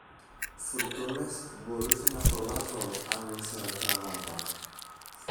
φουρτούνες που μπορούσα να προλάβω αν ήξερα γράμματα!